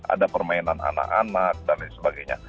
ada permainan anak anak dan lain sebagainya